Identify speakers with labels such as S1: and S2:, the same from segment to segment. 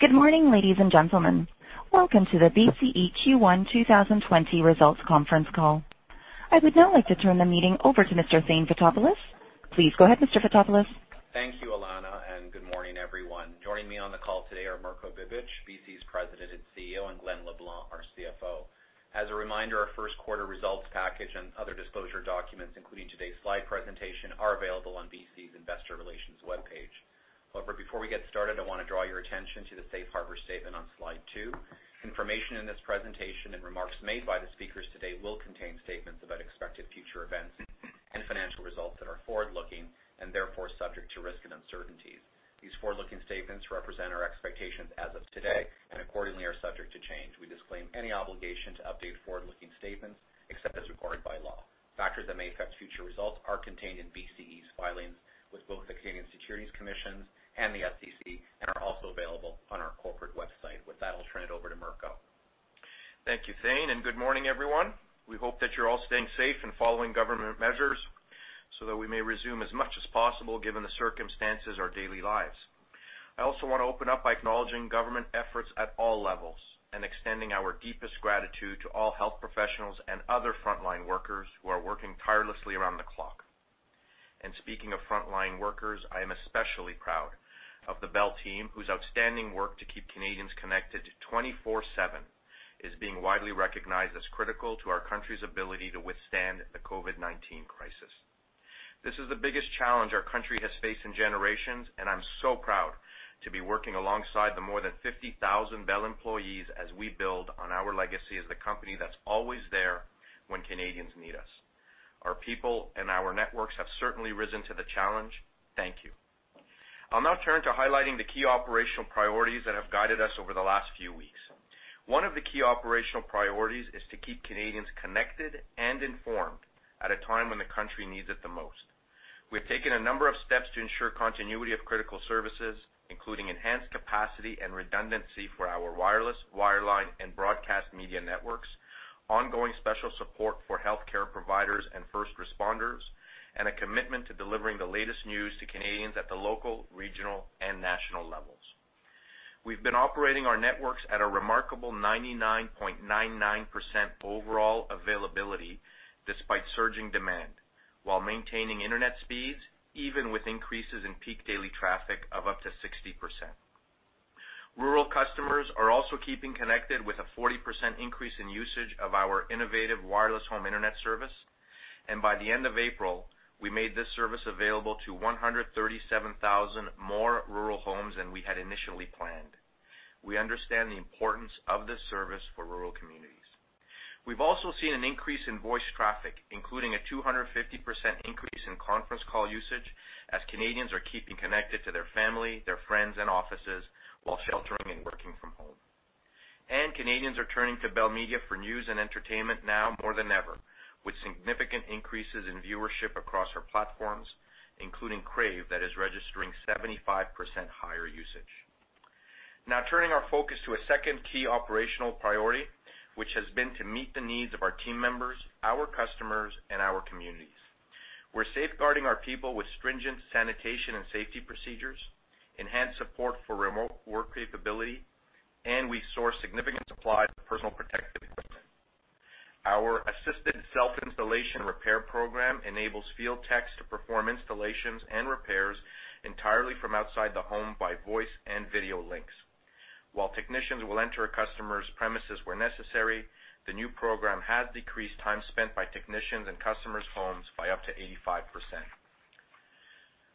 S1: Good morning, ladies and gentlemen. Welcome to the BCE Q1 2020 results conference call. I would now like to turn the meeting over to Mr. Thane Fotopoulos. Please go ahead, Mr. Fotopoulos.
S2: Thank you, Alana, and good morning, everyone. Joining me on the call today are Mirko Bibic, BCE's President and CEO, and Glen LeBlanc, our CFO. As a reminder, our first quarter results package and other disclosure documents, including today's slide presentation, are available on BCE's investor relations webpage. However, before we get started, I want to draw your attention to the Safe Harbour statement on slide two. Information in this presentation and remarks made by the speakers today will contain statements about expected future events and financial results that are forward-looking and therefore subject to risk and uncertainties. These forward-looking statements represent our expectations as of today and, accordingly, are subject to change. We disclaim any obligation to update forward-looking statements except as required by law. Factors that may affect future results are contained in BCE's filings with both the Canadian Securities Commission and the SEC and are also available on our corporate website. With that, I'll turn it over to Mirko.
S3: Thank you, Thane, and good morning, everyone. We hope that you're all staying safe and following government measures so that we may resume as much as possible, given the circumstances of our daily lives. I also want to open up by acknowledging government efforts at all levels and extending our deepest gratitude to all health professionals and other frontline workers who are working tirelessly around the clock. Speaking of frontline workers, I am especially proud of the Bell team, whose outstanding work to keep Canadians connected 24/7 is being widely recognized as critical to our country's ability to withstand the COVID-19 crisis. This is the biggest challenge our country has faced in generations, and I'm so proud to be working alongside the more than 50,000 Bell employees as we build on our legacy as the company that's always there when Canadians need us. Our people and our networks have certainly risen to the challenge. Thank you. I'll now turn to highlighting the key operational priorities that have guided us over the last few weeks. One of the key operational priorities is to keep Canadians connected and informed at a time when the country needs it the most. We have taken a number of steps to ensure continuity of critical services, including enhanced capacity and redundancy for our wireless, wireline, and broadcast media networks, ongoing special support for healthcare providers and first responders, and a commitment to delivering the latest news to Canadians at the local, regional, and national levels. We've been operating our networks at a remarkable 99.99% overall availability despite surging demand, while maintaining internet speeds even with increases in peak daily traffic of up to 60%. Rural customers are also keeping connected with a 40% increase in usage of our innovative Wireless Home Internet service, and by the end of April, we made this service available to 137,000 more rural homes than we had initially planned. We understand the importance of this service for rural communities. We've also seen an increase in voice traffic, including a 250% increase in conference call usage as Canadians are keeping connected to their family, their friends, and offices while sheltering and working from home. Canadians are turning to Bell Media for news and entertainment now more than ever, with significant increases in viewership across our platforms, including Crave that is registering 75% higher usage. Now, turning our focus to a second key operational priority, which has been to meet the needs of our team members, our customers, and our communities. We're safeguarding our people with stringent sanitation and safety procedures, enhanced support for remote work capability, and we source significant supplies of personal protective equipment. Our assisted self-installation repair program enables field techs to perform installations and repairs entirely from outside the home by voice and video links. While technicians will enter a customer's premises where necessary, the new program has decreased time spent by technicians in customers' homes by up to 85%.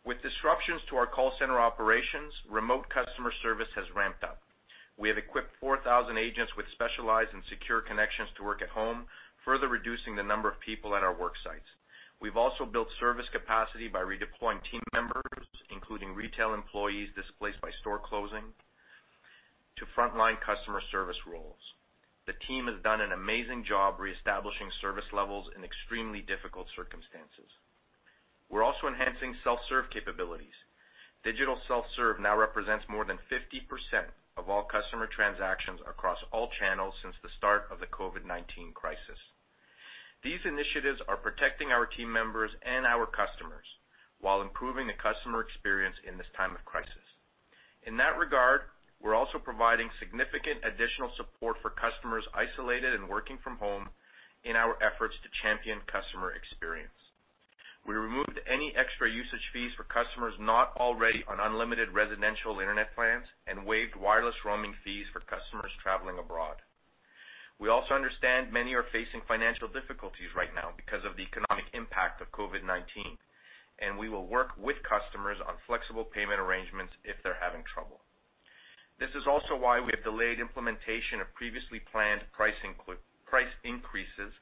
S3: With disruptions to our call center operations, remote customer service has ramped up. We have equipped 4,000 agents with specialized and secure connections to work at home, further reducing the number of people at our work sites. We've also built service capacity by redeploying team members, including retail employees displaced by store closing, to frontline customer service roles. The team has done an amazing job reestablishing service levels in extremely difficult circumstances. We're also enhancing self-serve capabilities. Digital self-serve now represents more than 50% of all customer transactions across all channels since the start of the COVID-19 crisis. These initiatives are protecting our team members and our customers while improving the customer experience in this time of crisis. In that regard, we're also providing significant additional support for customers isolated and working from home in our efforts to champion customer experience. We removed any extra usage fees for customers not already on unlimited residential internet plans and waived wireless roaming fees for customers traveling abroad. We also understand many are facing financial difficulties right now because of the economic impact of COVID-19, and we will work with customers on flexible payment arrangements if they're having trouble. This is also why we have delayed implementation of previously planned price increases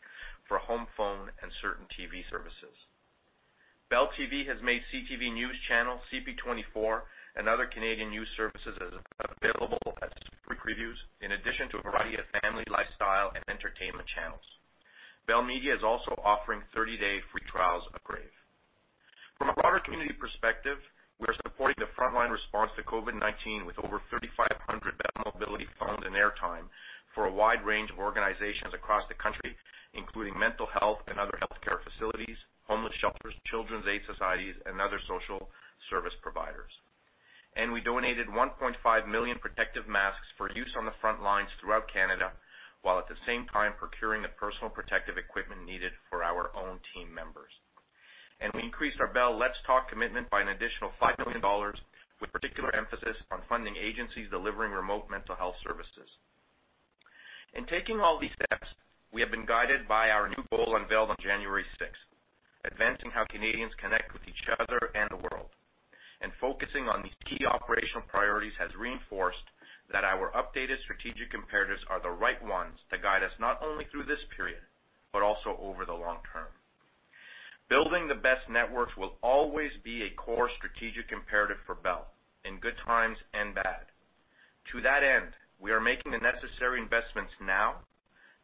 S3: for home phone and certain TV services. Bell TV has made CTV News Channel, CP24, and other Canadian news services available as free previews in addition to a variety of family lifestyle and entertainment channels. Bell Media is also offering 30-day free trials of Crave. From a broader community perspective, we're supporting the frontline response to COVID-19 with over 3,500 Bell Mobility phones and airtime for a wide range of organizations across the country, including mental health and other healthcare facilities, homeless shelters, children's aid societies, and other social service providers. We donated 1.5 million protective masks for use on the frontlines throughout Canada, while at the same time procuring the personal protective equipment needed for our own team members. We increased our Bell Let's Talk commitment by an additional 5 million dollars, with particular emphasis on funding agencies delivering remote mental health services. In taking all these steps, we have been guided by our new goal unveiled on January 6, advancing how Canadians connect with each other and the world. Focusing on these key operational priorities has reinforced that our updated strategic imperatives are the right ones to guide us not only through this period but also over the long term. Building the best networks will always be a core strategic imperative for BCE, in good times and bad. To that end, we are making the necessary investments now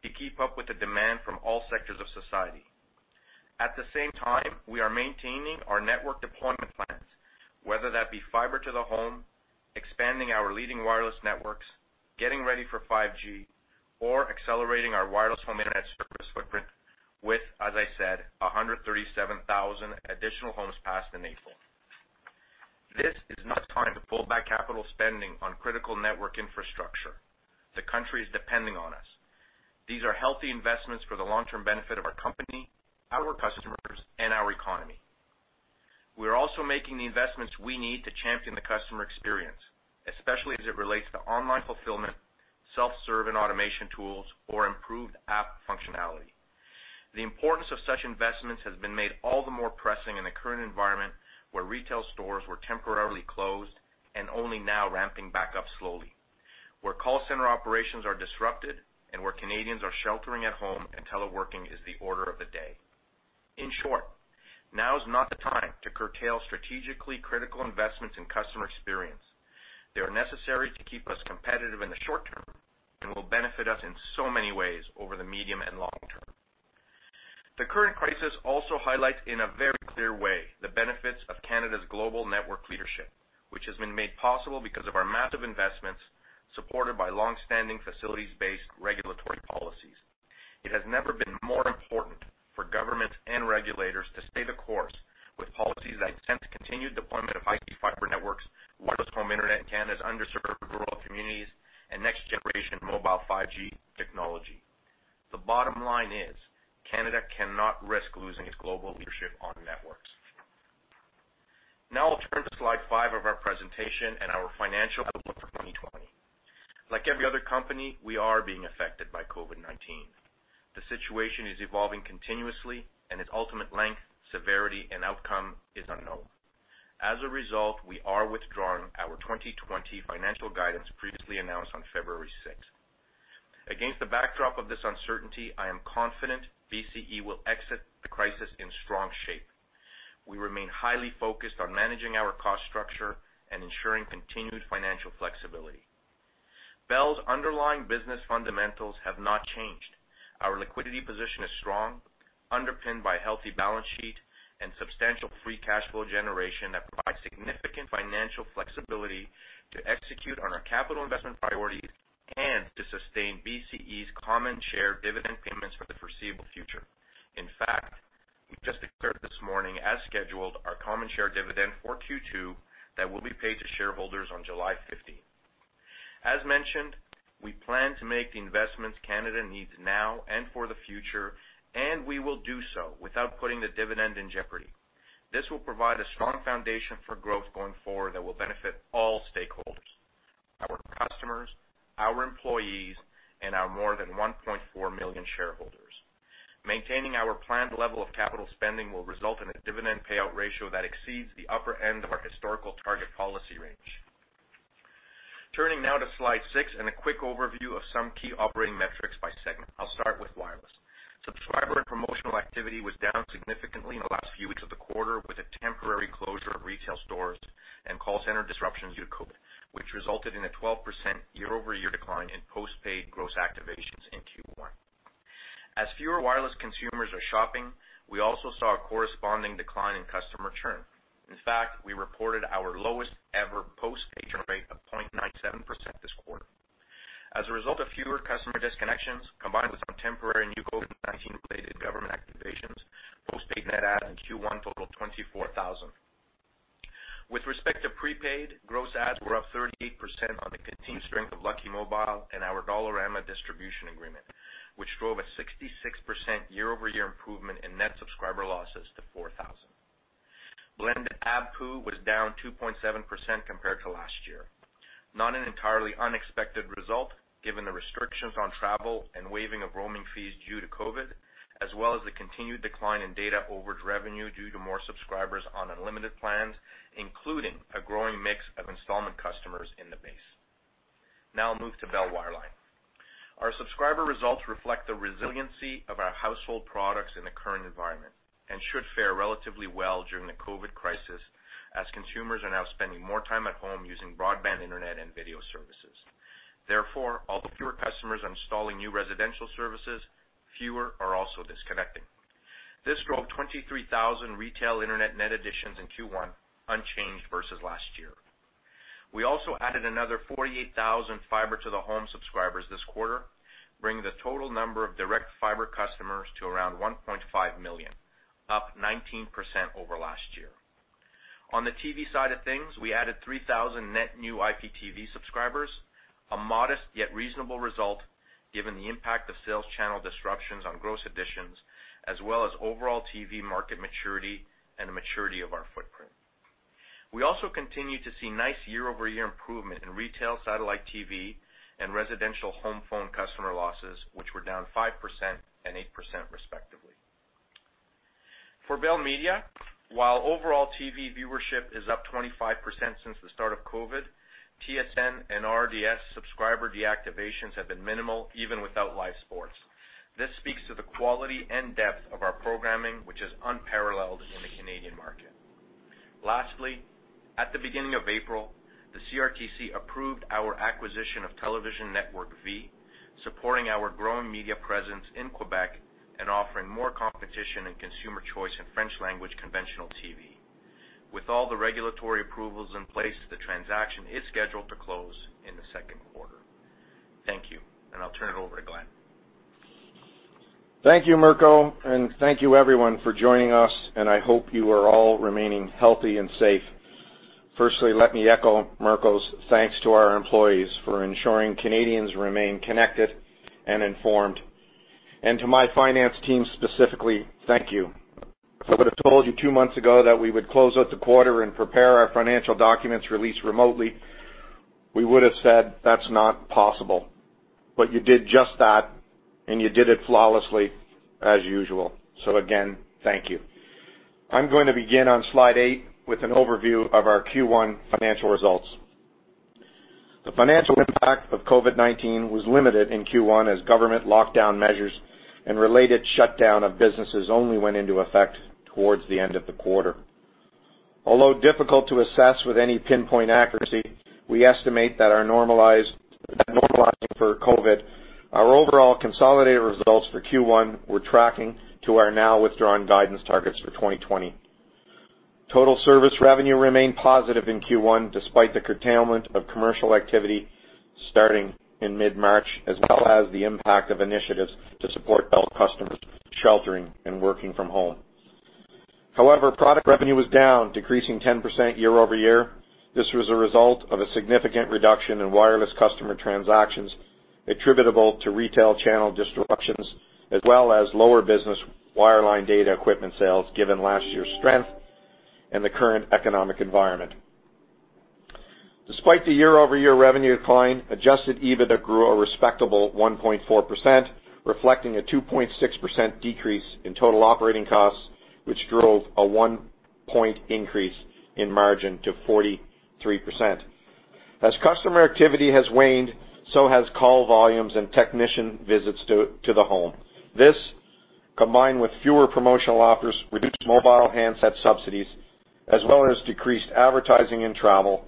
S3: to keep up with the demand from all sectors of society. At the same time, we are maintaining our network deployment plans, whether that be fibre to the home, expanding our leading wireless networks, getting ready for 5G, or accelerating our Wireless Home Internet service footprint with, as I said, 137,000 additional homes passed in April. This is not time to pull back capital spending on critical network infrastructure. The country is depending on us. These are healthy investments for the long-term benefit of our company, our customers, and our economy. We are also making the investments we need to champion the customer experience, especially as it relates to online fulfillment, self-serve and automation tools, or improved app functionality. The importance of such investments has been made all the more pressing in the current environment where retail stores were temporarily closed and only now ramping back up slowly, where call center operations are disrupted and where Canadians are sheltering at home and teleworking is the order of the day. In short, now is not the time to curtail strategically critical investments in customer experience. They are necessary to keep us competitive in the short term and will benefit us in so many ways over the medium and long term. The current crisis also highlights in a very clear way the benefits of Canada's global network leadership, which has been made possible because of our massive investments supported by long-standing facilities-based regulatory policies. It has never been more important for governments and regulators to stay the course with policies that intend to continue deployment of high-speed fibre networks, Wireless Home Internet Canada's underserved rural communities, and next-generation mobile 5G technology. The bottom line is Canada cannot risk losing its global leadership on networks. Now I'll turn to slide five of our presentation and our financial outlook for 2020. Like every other company, we are being affected by COVID-19. The situation is evolving continuously, and its ultimate length, severity, and outcome is unknown. As a result, we are withdrawing our 2020 financial guidance previously announced on February 6th. Against the backdrop of this uncertainty, I am confident BCE will exit the crisis in strong shape. We remain highly focused on managing our cost structure and ensuring continued financial flexibility. BCE's underlying business fundamentals have not changed. Our liquidity position is strong, underpinned by a healthy balance sheet and substantial free cash flow generation that provides significant financial flexibility to execute on our capital investment priorities and to sustain BCE's common share dividend payments for the foreseeable future. In fact, we just declared this morning, as scheduled, our common share dividend for Q2 that will be paid to shareholders on July 15th. As mentioned, we plan to make the investments Canada needs now and for the future, and we will do so without putting the dividend in jeopardy. This will provide a strong foundation for growth going forward that will benefit all stakeholders: our customers, our employees, and our more than 1.4 million shareholders. Maintaining our planned level of capital spending will result in a dividend payout ratio that exceeds the upper end of our historical target policy range. Turning now to slide six and a quick overview of some key operating metrics by segment. I'll start with wireless. Subscriber and promotional activity was down significantly in the last few weeks of the quarter with a temporary closure of retail stores and call center disruptions due to COVID-19, which resulted in a 12% year-over-year decline in postpaid gross activations in Q1. As fewer wireless consumers are shopping, we also saw a corresponding decline in customer churn. In fact, we reported our lowest-ever postpaid churn rate of 0.97% this quarter. As a result of fewer customer disconnections, combined with some temporary and new COVID-19-related government activations, postpaid net adds in Q1 totaled 24,000. With respect to prepaid, gross adds were up 38% on the continued strength of Lucky Mobile and our Dollarama distribution agreement, which drove a 66% year-over-year improvement in net subscriber losses to 4,000. Blended ABPU was down 2.7% compared to last year. Not an entirely unexpected result, given the restrictions on travel and waiving of roaming fees due to COVID-19, as well as the continued decline in data overage revenue due to more subscribers on unlimited plans, including a growing mix of installment customers in the base. Now I'll move to Bell Wireline. Our subscriber results reflect the resiliency of our household products in the current environment and should fare relatively well during the COVID-19 crisis as consumers are now spending more time at home using broadband internet and video services. Therefore, although fewer customers are installing new residential services, fewer are also disconnecting. This drove 23,000 retail internet net additions in Q1, unchanged versus last year. We also added another 48,000 fibre-to-the-home subscribers this quarter, bringing the total number of direct fibre customers to around 1.5 million, up 19% over last year. On the TV side of things, we added 3,000 net new IPTV subscribers, a modest yet reasonable result given the impact of sales channel disruptions on gross additions, as well as overall TV market maturity and the maturity of our footprint. We also continue to see nice year-over-year improvement in retail satellite TV and residential home phone customer losses, which were down 5% and 8% respectively. For Bell Media, while overall TV viewership is up 25% since the start of COVID-19, TSN and RDS subscriber deactivations have been minimal even without live sports. This speaks to the quality and depth of our programming, which is unparalleled in the Canadian market. Lastly, at the beginning of April, the CRTC approved our acquisition of television network V, supporting our growing media presence in Quebec and offering more competition and consumer choice in French-language conventional TV. With all the regulatory approvals in place, the transaction is scheduled to close in the second quarter. Thank you, and I'll turn it over to Glen.
S4: Thank you, Mirko, and thank you everyone for joining us, and I hope you are all remaining healthy and safe. Firstly, let me echo Mirko's thanks to our employees for ensuring Canadians remain connected and informed. To my finance team specifically, thank you. If I would have told you two months ago that we would close out the quarter and prepare our financial documents released remotely, we would have said, "That's not possible." You did just that, and you did it flawlessly, as usual. Again, thank you. I'm going to begin on slide eight with an overview of our Q1 financial results. The financial impact of COVID-19 was limited in Q1 as government lockdown measures and related shutdown of businesses only went into effect towards the end of the quarter. Although difficult to assess with any pinpoint accuracy, we estimate that normalizing for COVID, our overall consolidated results for Q1 were tracking to our now withdrawn guidance targets for 2020. Total service revenue remained positive in Q1 despite the curtailment of commercial activity starting in mid-March, as well as the impact of initiatives to support Bell customers sheltering and working from home. However, product revenue was down, decreasing 10% year-over-year. This was a result of a significant reduction in wireless customer transactions attributable to retail channel disruptions, as well as lower business wireline data equipment sales given last year's strength and the current economic environment. Despite the year-over-year revenue decline, adjusted EBITDA grew a respectable 1.4%, reflecting a 2.6% decrease in total operating costs, which drove a one-point increase in margin to 43%. As customer activity has waned, so have call volumes and technician visits to the home. This, combined with fewer promotional offers, reduced mobile handset subsidies, as well as decreased advertising and travel,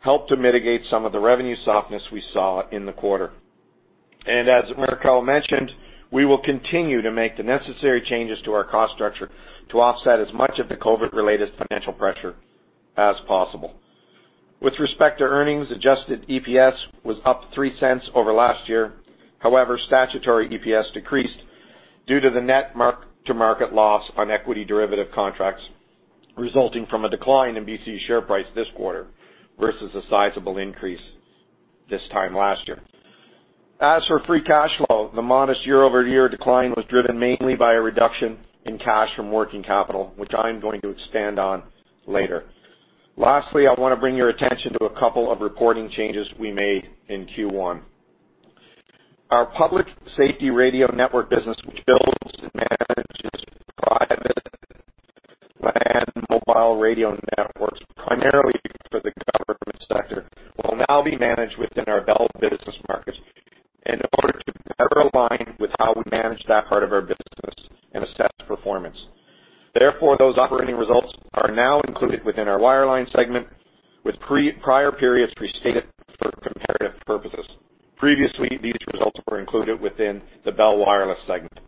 S4: helped to mitigate some of the revenue softness we saw in the quarter. As Mirko mentioned, we will continue to make the necessary changes to our cost structure to offset as much of the COVID-19-related financial pressure as possible. With respect to earnings, adjusted EPS was up 0.03 over last year. However, statutory EPS decreased due to the net mark-to-market loss on equity derivative contracts resulting from a decline in BCE share price this quarter versus a sizable increase this time last year. As for free cash flow, the modest year-over-year decline was driven mainly by a reduction in cash from working capital, which I am going to expand on later. Lastly, I want to bring your attention to a couple of reporting changes we made in Q1. Our public safety radio network business, which builds and manages private land mobile radio networks primarily for the government sector, will now be managed within our Bell Business Markets in order to better align with how we manage that part of our business and assess performance. Therefore, those operating results are now included within our wireline segment with prior periods restated for comparative purposes. Previously, these results were included within the Bell Wireless segment.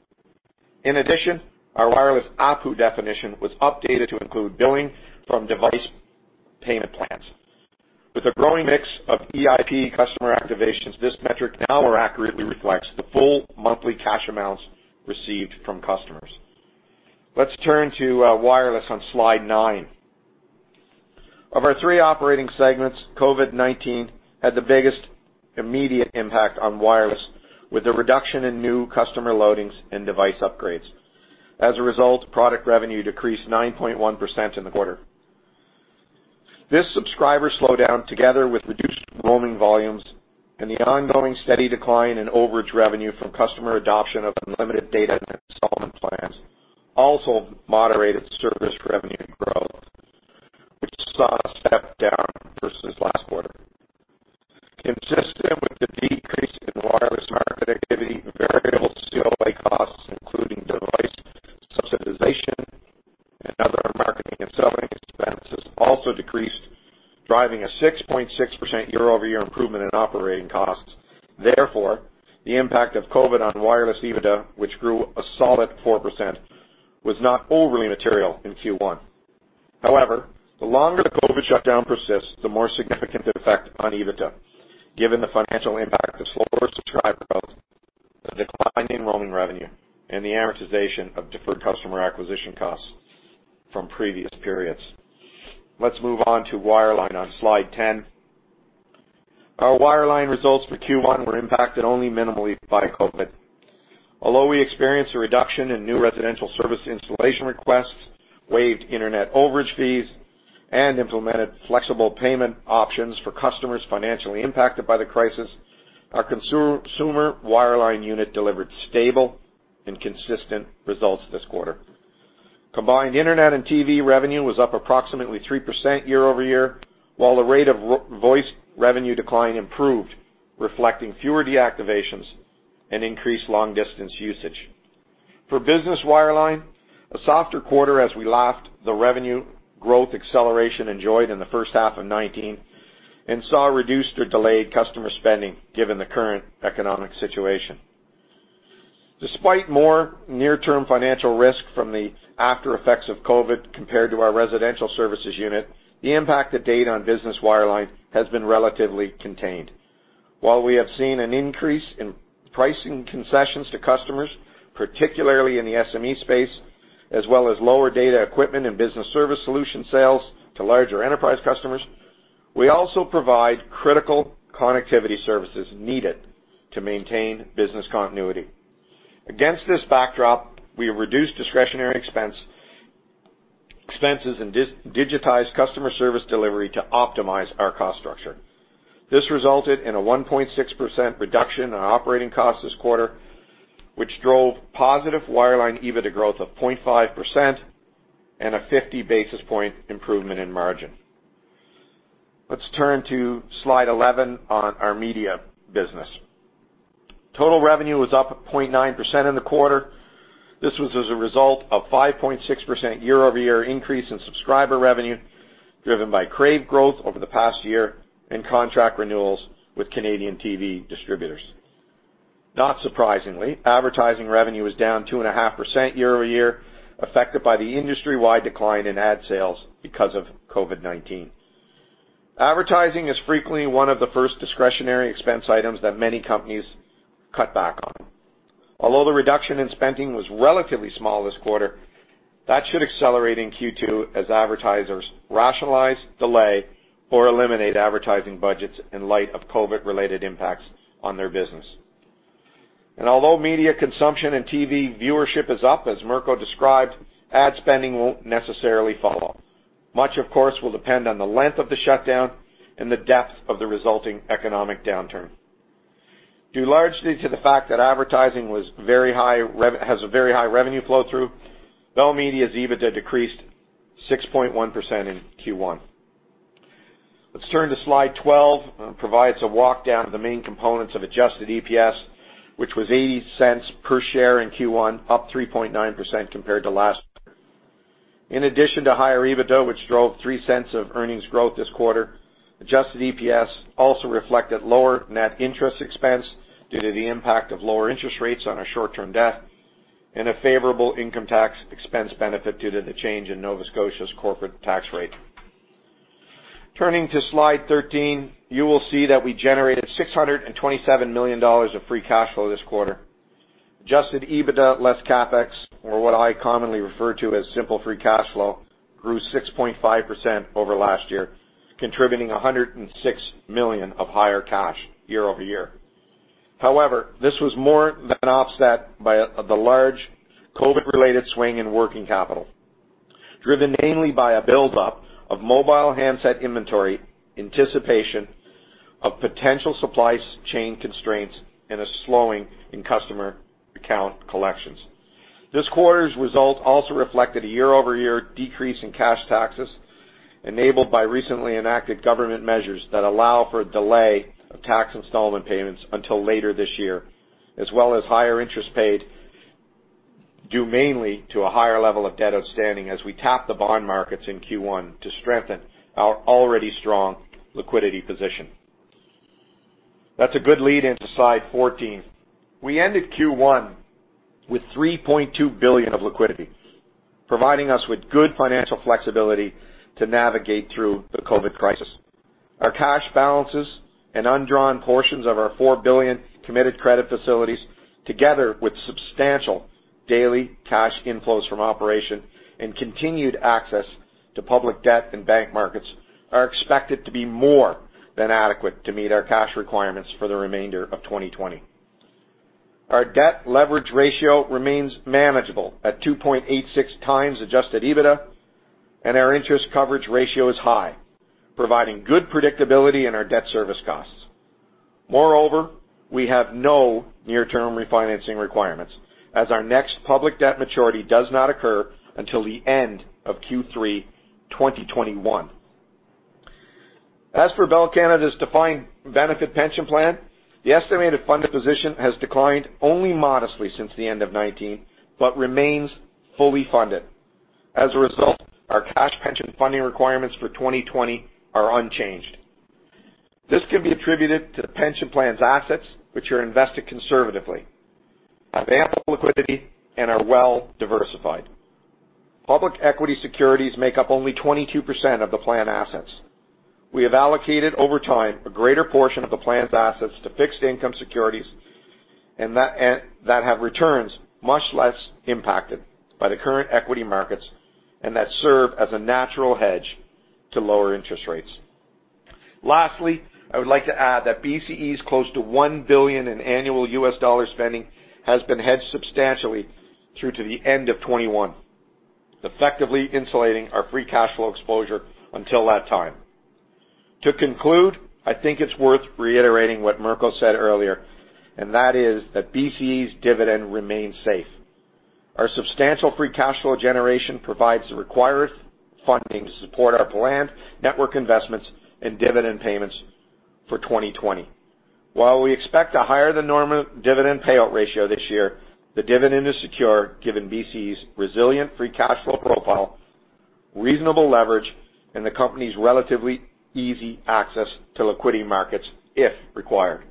S4: In addition, our wireless ABPU definition was updated to include billing from device payment plans. With a growing mix of EIP customer activations, this metric now accurately reflects the full monthly cash amounts received from customers. Let's turn to wireless on slide nine. Of our three operating segments, COVID-19 had the biggest immediate impact on wireless with the reduction in new customer loadings and device upgrades. As a result, product revenue decreased 9.1% in the quarter. This subscriber slowdown, together with reduced roaming volumes and the ongoing steady decline in overage revenue from customer adoption of unlimited data and installment plans, also moderated service revenue growth, which saw a step down versus last quarter. Consistent with the decrease in wireless market activity, variable COA costs, including device subsidization and other marketing and selling expenses, also decreased, driving a 6.6% year-over-year improvement in operating costs. Therefore, the impact of COVID-19 on wireless EBITDA, which grew a solid 4%, was not overly material in Q1. However, the longer the COVID-19 shutdown persists, the more significant the effect on EBITDA, given the financial impact of slower subscriber growth, the decline in roaming revenue, and the amortization of deferred customer acquisition costs from previous periods. Let's move on to wireline on slide 10. Our wireline results for Q1 were impacted only minimally by COVID-19. Although we experienced a reduction in new residential service installation requests, waived internet overage fees, and implemented flexible payment options for customers financially impacted by the crisis, our consumer wireline unit delivered stable and consistent results this quarter. Combined internet and TV revenue was up approximately 3% year-over-year, while the rate of voice revenue decline improved, reflecting fewer deactivations and increased long-distance usage. For business wireline, a softer quarter as we lapped the revenue growth acceleration enjoyed in the first half of 2019 and saw reduced or delayed customer spending given the current economic situation. Despite more near-term financial risk from the aftereffects of COVID-19 compared to our residential services unit, the impact of data on business wireline has been relatively contained. While we have seen an increase in pricing concessions to customers, particularly in the SME space, as well as lower data equipment and business service solution sales to larger enterprise customers, we also provide critical connectivity services needed to maintain business continuity. Against this backdrop, we reduced discretionary expenses and digitized customer service delivery to optimize our cost structure. This resulted in a 1.6% reduction in operating costs this quarter, which drove positive wireline EBITDA growth of 0.5% and a 50 basis point improvement in margin. Let's turn to slide 11 on our media business. Total revenue was up 0.9% in the quarter. This was as a result of a 5.6% year-over-year increase in subscriber revenue driven by Crave growth over the past year and contract renewals with Canadian TV distributors. Not surprisingly, advertising revenue was down 2.5% year-over-year, affected by the industry-wide decline in ad sales because of COVID-19. Advertising is frequently one of the first discretionary expense items that many companies cut back on. Although the reduction in spending was relatively small this quarter, that should accelerate in Q2 as advertisers rationalize, delay, or eliminate advertising budgets in light of COVID-19-related impacts on their business. Although media consumption and TV viewership is up, as Mirko described, ad spending will not necessarily follow. Much, of course, will depend on the length of the shutdown and the depth of the resulting economic downturn. Due largely to the fact that advertising has a very high revenue flow-through, Bell Media's EBITDA decreased 6.1% in Q1. Let's turn to slide 12 and provide a walkdown of the main components of adjusted EPS, which was 0.80 per share in Q1, up 3.9% compared to last year. In addition to higher EBITDA, which drove 0.03 of earnings growth this quarter, adjusted EPS also reflected lower net interest expense due to the impact of lower interest rates on our short-term debt and a favorable income tax expense benefit due to the change in Nova Scotia's corporate tax rate. Turning to slide 13, you will see that we generated 627 million dollars of free cash flow this quarter. Adjusted EBITDA less CapEx, or what I commonly refer to as simple free cash flow, grew 6.5% over last year, contributing 106 million of higher cash year-over-year. However, this was more than offset by the large COVID-19-related swing in working capital, driven mainly by a build-up of mobile handset inventory, anticipation of potential supply chain constraints, and a slowing in customer account collections. This quarter's result also reflected a year-over-year decrease in cash taxes enabled by recently enacted government measures that allow for a delay of tax installment payments until later this year, as well as higher interest paid due mainly to a higher level of debt outstanding as we tap the bond markets in Q1 to strengthen our already strong liquidity position. That is a good lead into slide 14. We ended Q1 with 3.2 billion of liquidity, providing us with good financial flexibility to navigate through the COVID-19 crisis. Our cash balances and undrawn portions of our 4 billion committed credit facilities, together with substantial daily cash inflows from operation and continued access to public debt and bank markets, are expected to be more than adequate to meet our cash requirements for the remainder of 2020. Our debt leverage ratio remains manageable at 2.86 times adjusted EBITDA, and our interest coverage ratio is high, providing good predictability in our debt service costs. Moreover, we have no near-term refinancing requirements as our next public debt maturity does not occur until the end of Q3 2021. As for Bell Canada's defined benefit pension plan, the estimated funded position has declined only modestly since the end of 2019 but remains fully funded. As a result, our cash pension funding requirements for 2020 are unchanged. This can be attributed to the pension plan's assets, which are invested conservatively, have ample liquidity, and are well-diversified. Public equity securities make up only 22% of the plan assets. We have allocated over time a greater portion of the plan's assets to fixed income securities that have returns much less impacted by the current equity markets and that serve as a natural hedge to lower interest rates. Lastly, I would like to add that BCE's close to $1 billion in annual US dollar spending has been hedged substantially through to the end of 2021, effectively insulating our free cash flow exposure until that time. To conclude, I think it's worth reiterating what Mirko said earlier, and that is that BCE's dividend remains safe. Our substantial free cash flow generation provides the required funding to support our planned network investments and dividend payments for 2020. While we expect a higher-than-normal dividend payout ratio this year, the dividend is secure given BCE's resilient free cash flow profile, reasonable leverage, and the company's relatively easy access to liquidity markets if required.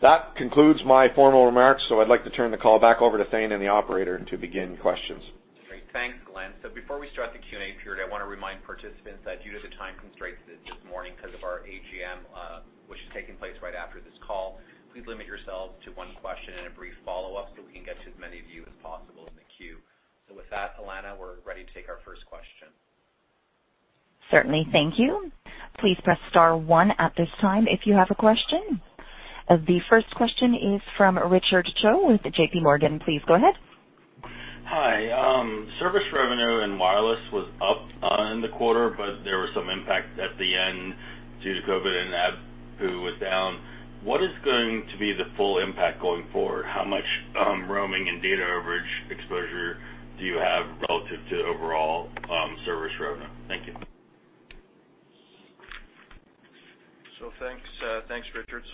S4: That concludes my formal remarks, so I'd like to turn the call back over to Thane and the operator to begin questions.
S2: Great. Thanks, Glen. Before we start the Q&A period, I want to remind participants that due to the time constraints this morning because of our AGM, which is taking place right after this call, please limit yourselves to one question and a brief follow-up so we can get to as many of you as possible in the queue. With that, Alana, we're ready to take our first question.
S1: Certainly. Thank you. Please press star one at this time if you have a question. The first question is from Richard Choe with JPMorgan. Please go ahead.
S5: Hi. Service revenue in wireless was up in the quarter, but there was some impact at the end due to COVID-19 and ABPU was down. What is going to be the full impact going forward? How much roaming and data overage exposure do you have relative to overall service revenue? Thank you.
S3: Thanks, Richard.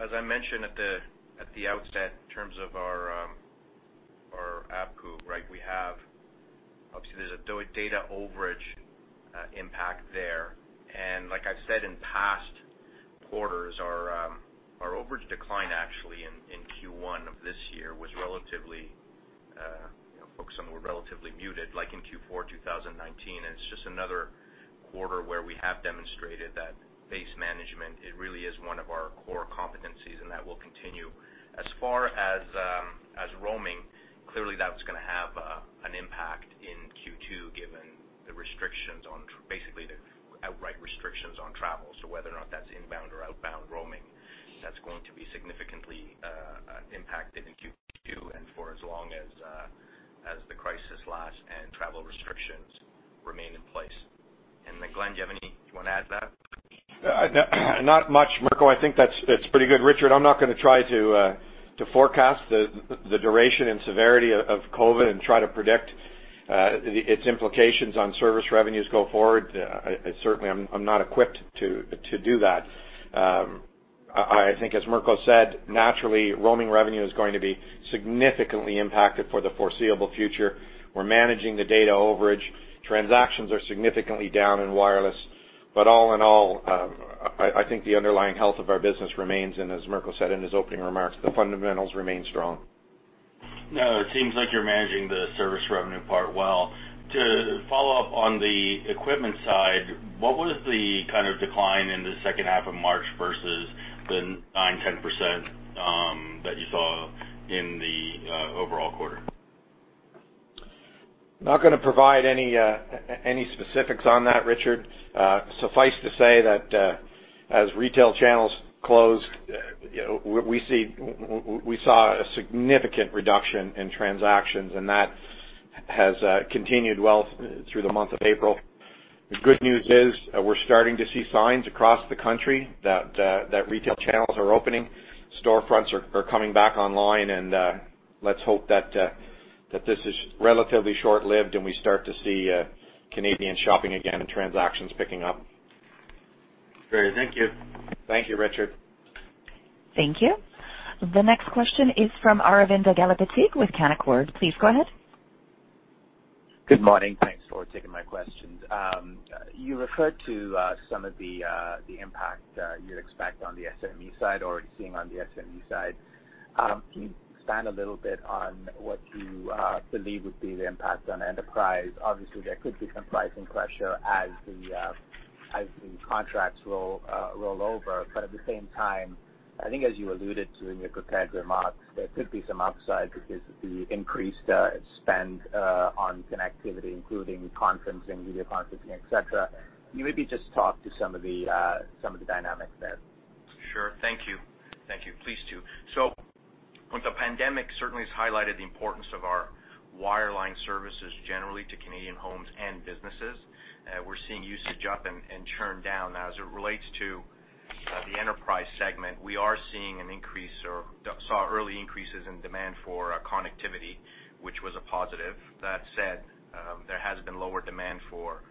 S3: As I mentioned at the outset, in terms of our ABPU, right, we have obviously there's a data overage impact there. Like I've said in past quarters, our overage decline actually in Q1 of this year was relatively—focus on the word relatively—muted, like in Q4 2019. It is just another quarter where we have demonstrated that base management really is one of our core competencies, and that will continue. As far as roaming, clearly that is going to have an impact in Q2 given the restrictions on basically the outright restrictions on travel. Whether or not that is inbound or outbound roaming, that is going to be significantly impacted in Q2 and for as long as the crisis lasts and travel restrictions remain in place. Glen, do you have any—do you want to add to that?
S4: Not much. Mirko, I think that's pretty good. Richard, I'm not going to try to forecast the duration and severity of COVID-19 and try to predict its implications on service revenues go forward. Certainly, I'm not equipped to do that. I think, as Mirko said, naturally, roaming revenue is going to be significantly impacted for the foreseeable future. We're managing the data overage. Transactions are significantly down in wireless. All in all, I think the underlying health of our business remains, and as Mirko said in his opening remarks, the fundamentals remain strong.
S5: No. It seems like you're managing the service revenue part well. To follow up on the equipment side, what was the kind of decline in the second half of March versus the 9-10% that you saw in the overall quarter?
S4: Not going to provide any specifics on that, Richard. Suffice to say that as retail channels closed, we saw a significant reduction in transactions, and that has continued well through the month of April. The good news is we're starting to see signs across the country that retail channels are opening, storefronts are coming back online, and let's hope that this is relatively short-lived and we start to see Canadian shopping again and transactions picking up.
S5: Great. Thank you.
S4: Thank you, Richard.
S1: Thank you. The next question is from Aravinda Galappatthige with Canaccord. Please go ahead.
S6: Good morning. Thanks for taking my questions. You referred to some of the impact you'd expect on the SME side, already seeing on the SME side. Can you expand a little bit on what you believe would be the impact on enterprise? Obviously, there could be some pricing pressure as the contracts roll over. At the same time, I think as you alluded to in your prepared remarks, there could be some upside because of the increased spend on connectivity, including conferencing, video conferencing, etc. Can you maybe just talk to some of the dynamics there?
S3: Sure. Thank you. Thank you. Pleased to. With the pandemic, it certainly has highlighted the importance of our wireline services generally to Canadian homes and businesses. We're seeing usage up and churn down. Now, as it relates to the enterprise segment, we are seeing an increase or saw early increases in demand for connectivity, which was a positive. That said, there has been lower demand for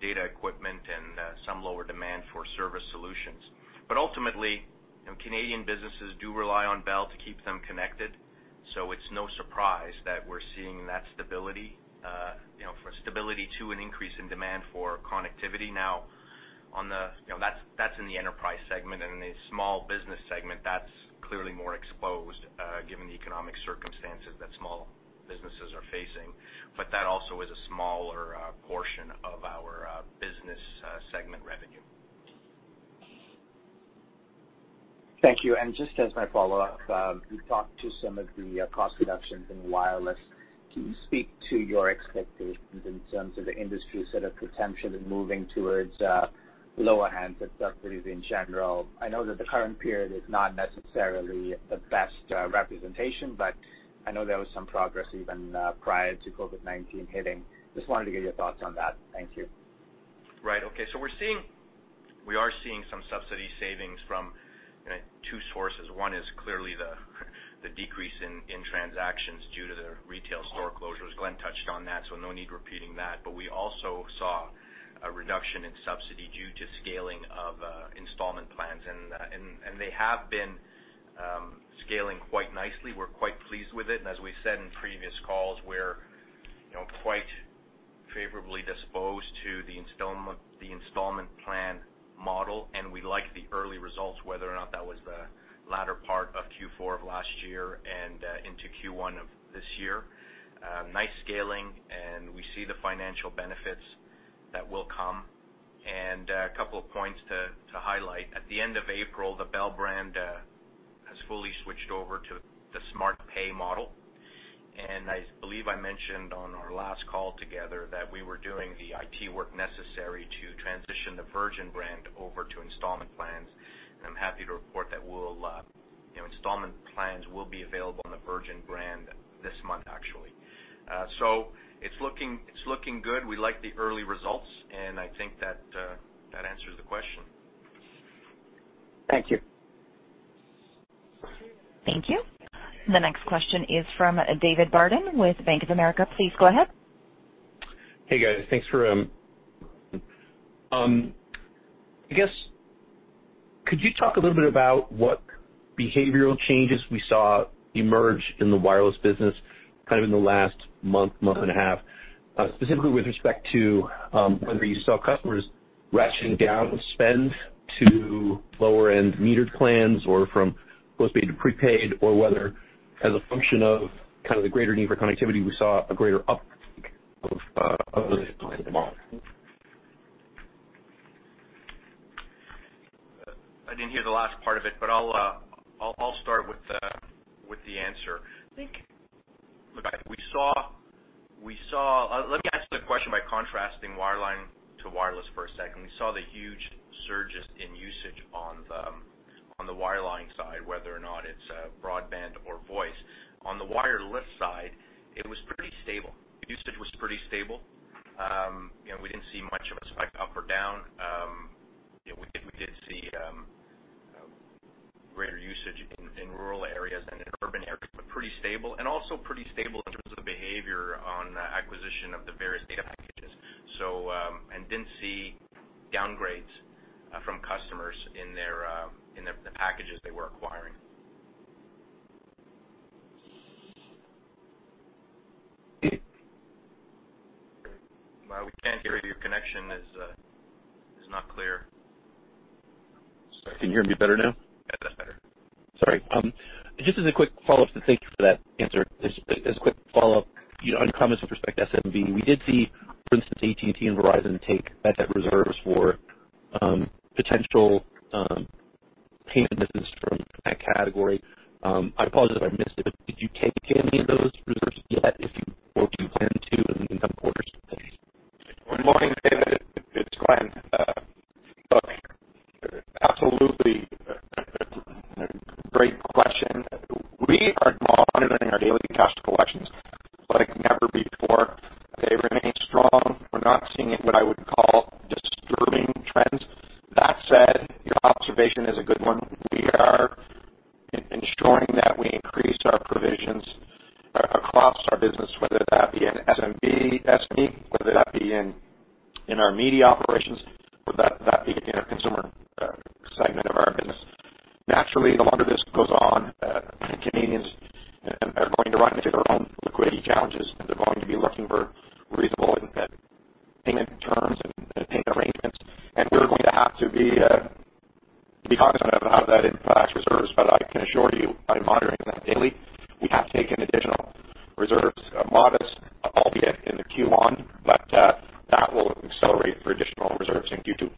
S3: data equipment and some lower demand for service solutions. Ultimately, Canadian businesses do rely on Bell to keep them connected. It is no surprise that we're seeing that stability for stability to an increase in demand for connectivity. That is in the enterprise segment, and in the small business segment, that is clearly more exposed given the economic circumstances that small businesses are facing. That also is a smaller portion of our business segment revenue.
S6: Thank you. Just as my follow-up, you talked to some of the cost reductions in wireless. Can you speak to your expectations in terms of the industry set of potential and moving towards lower handset subsidies in general? I know that the current period is not necessarily the best representation, but I know there was some progress even prior to COVID-19 hitting. Just wanted to get your thoughts on that. Thank you.
S3: Right. Okay. We are seeing some subsidy savings from two sources. One is clearly the decrease in transactions due to the retail store closures. Glen touched on that, so no need repeating that. We also saw a reduction in subsidy due to scaling of installment plans, and they have been scaling quite nicely. We are quite pleased with it. As we said in previous calls, we are quite favorably disposed to the installment plan model, and we like the early results, whether or not that was the latter part of Q4 of last year and into Q1 of this year. Nice scaling, and we see the financial benefits that will come. A couple of points to highlight. At the end of April, the Bell brand has fully switched over to the SmartPay model. I believe I mentioned on our last call together that we were doing the IT work necessary to transition the Virgin brand over to installment plans. I'm happy to report that installment plans will be available on the Virgin brand this month, actually. It's looking good. We like the early results, and I think that answers the question.
S6: Thank you.
S1: Thank you. The next question is from David Barden with Bank of America. Please go ahead.
S7: Hey, guys. Thanks for coming. I guess, could you talk a little bit about what behavioral changes we saw emerge in the wireless business kind of in the last month, month and a half, specifically with respect to whether you saw customers ratcheting down spend to lower-end metered plans or from postpaid to prepaid, or whether as a function of kind of the greater need for connectivity, we saw a greater uptake of other data plans?
S3: I didn't hear the last part of it, but I'll start with the answer. I think we saw—let me ask the question by contrasting wireline to wireless for a second. We saw the huge surges in usage on the wireline side, whether or not it's broadband or voice. On the wireless side, it was pretty stable. Usage was pretty stable. We didn't see much of a spike up or down. We did see greater usage in rural areas and in urban areas, but pretty stable. Also pretty stable in terms of the behavior on acquisition of the various data packages. Didn't see downgrades from customers in the packages they were acquiring.
S5: We can't hear you. Your connection is not clear.
S3: Sorry. Can you hear me better now?
S7: Yeah. That's better.
S3: Sorry. Just as a quick follow-up to thank you for that answer, as a quick follow-up on comments with respect to SMB, we did see, for instance, AT&T and Verizon take backup reserves for potential payment businesses from that category. I apologize if I missed it, but did you take any of those reserves yet or do you plan to in the coming quarters?
S4: Good morning, David. It's Glen. Look, absolutely great question. We are monitoring our daily cash collections like never before. They remain strong. We're not seeing what I would call disturbing trends. That said, your observation is a good one. We are ensuring that we increase our provisions across our business, whether that be in SMB, whether that be in our media operations, or that be in our consumer segment of our business. Naturally, the longer this goes on, Canadians are going to run into their own liquidity challenges, and they're going to be looking for reasonable payment terms and payment arrangements. We are going to have to be cognizant of how that impacts reserves, but I can assure you by monitoring that daily, we have taken additional reserves, modest, albeit in Q1, but that will accelerate for additional reserves in Q2.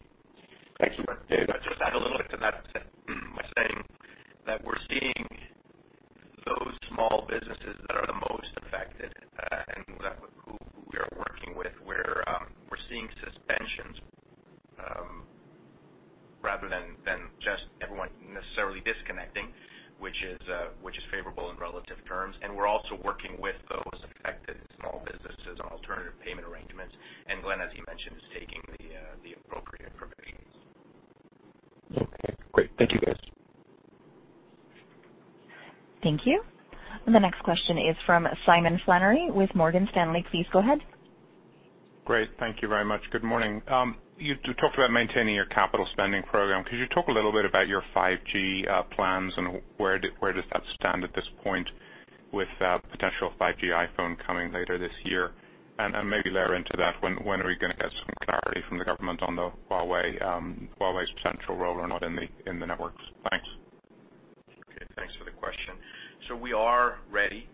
S3: We are ready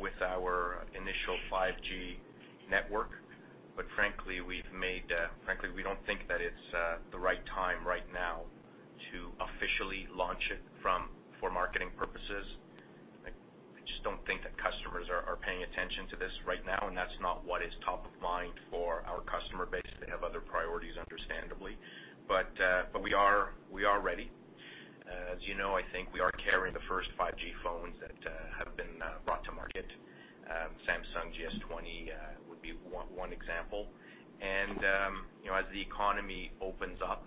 S3: with our initial 5G network, but frankly, we do not think that it is the right time right now to officially launch it for marketing purposes. I just do not think that customers are paying attention to this right now, and that is not what is top of mind for our customer base. They have other priorities, understandably. We are ready. As you know, I think we are carrying the first 5G phones that have been brought to market. Samsung GS20 would be one example. As the economy opens up,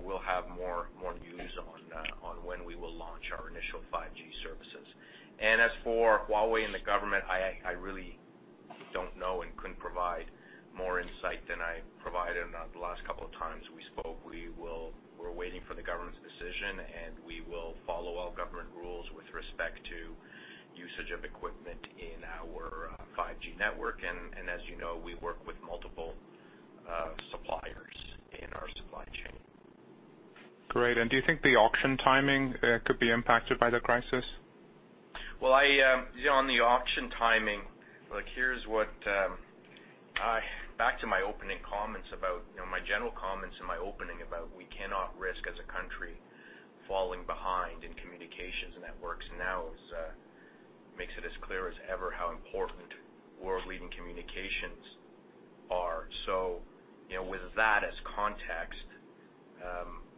S3: we will have more news on when we will launch our initial 5G services. As for Huawei and the government, I really do not know and could not provide more insight than I provided on the last couple of times we spoke. We're waiting for the government's decision, and we will follow all government rules with respect to usage of equipment in our 5G network. As you know, we work with multiple suppliers in our supply chain.
S8: Great. Do you think the auction timing could be impacted by the crisis?
S3: On the auction timing, here is what—back to my opening comments about my general comments in my opening about we cannot risk as a country falling behind in communications and networks now makes it as clear as ever how important world-leading communications are. With that as context,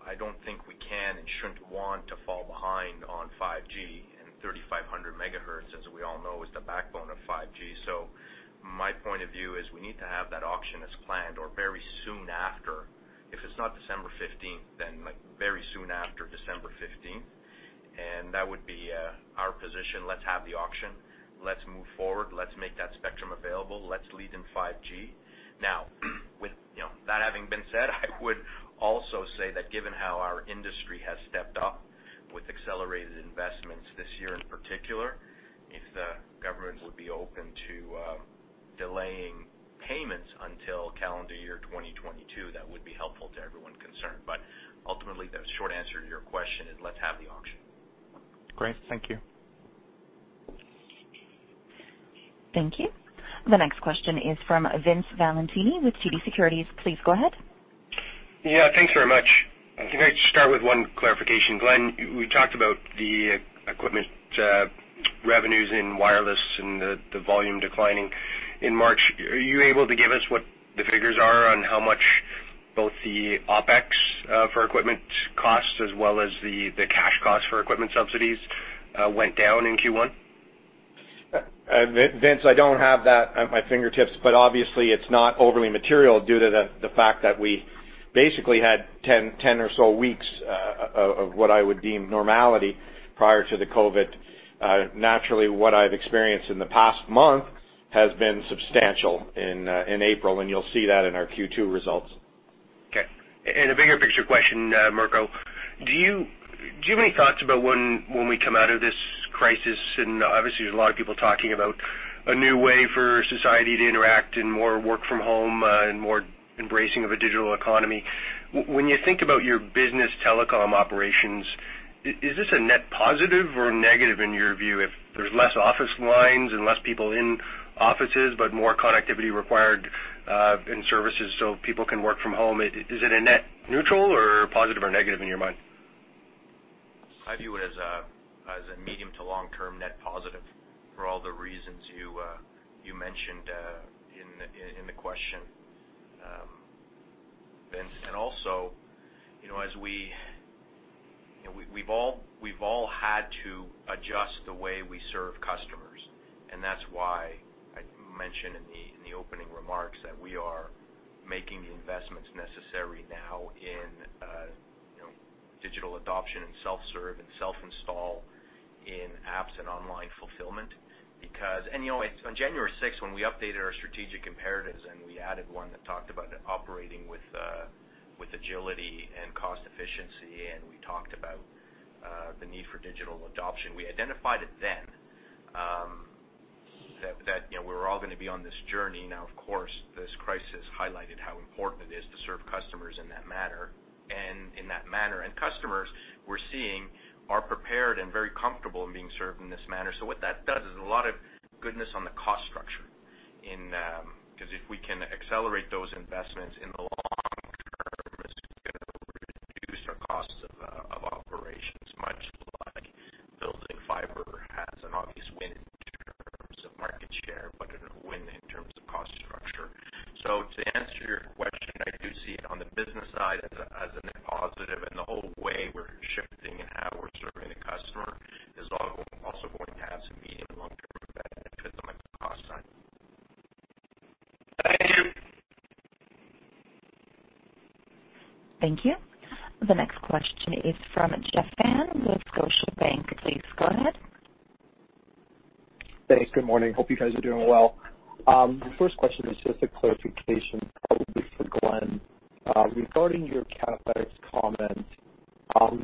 S3: I do not think we can and should not want to fall behind on 5G. 3500 MHz, as we all know, is the backbone of 5G. My point of view is we need to have that auction as planned or very soon after. If it is not December 15th, then very soon after December 15th. That would be our position. Let us have the auction. Let us move forward. Let us make that spectrum available. Let us lead in 5G. Now, with that having been said, I would also say that given how our industry has stepped up with accelerated investments this year in particular, if the government would be open to delaying payments until calendar year 2022, that would be helpful to everyone concerned. Ultimately, the short answer to your question is let's have the auction.
S8: Great. Thank you.
S1: Thank you. The next question is from Vince Valentini with TD Securities. Please go ahead.
S9: Yeah. Thanks very much. Can I start with one clarification? Glen, we talked about the equipment revenues in wireless and the volume declining in March. Are you able to give us what the figures are on how much both the OpEx for equipment costs as well as the cash costs for equipment subsidies went down in Q1?
S4: Vince, I do not have that at my fingertips, but obviously, it is not overly material due to the fact that we basically had 10 or so weeks of what I would deem normality prior to the COVID-19. Naturally, what I have experienced in the past month has been substantial in April, and you will see that in our Q2 results.
S9: Okay. A bigger picture question, Mirko, do you have any thoughts about when we come out of this crisis? Obviously, there's a lot of people talking about a new way for society to interact and more work from home and more embracing of a digital economy. When you think about your business telecom operations, is this a net positive or negative in your view if there's less office lines and less people in offices but more connectivity required and services so people can work from home? Is it a net neutral or positive or negative in your mind?
S3: I view it as a medium to long-term net positive for all the reasons you mentioned in the question. Also, as we've all had to adjust the way we serve customers, that's why I mentioned in the opening remarks that we are making the investments necessary now in digital adoption and self-serve and self-install in apps and online fulfillment. On January 6th, when we updated our strategic imperatives and we added one that talked about operating with agility and cost efficiency, and we talked about the need for digital adoption, we identified it then that we were all going to be on this journey. Now, of course, this crisis highlighted how important it is to serve customers in that manner. In that manner, customers we're seeing are prepared and very comfortable in being served in this manner. What that does is a lot of goodness on the cost structure because if we can accelerate those investments in the long term, it's going to reduce our costs of operations, much like building fibre has an obvious win in terms of market share but a win in terms of cost structure. To answer your question, I do see it on the business side as a net positive, and the whole way we're shifting and how we're serving the customer is also going to have some medium and long-term benefits on the cost side. Thank you.
S1: Thank you. The next question is from Jeff Fan with Scotiabank. Please go ahead.
S10: Thanks. Good morning. Hope you guys are doing well. The first question is just a clarification, probably for Glen. Regarding your CapEx comment,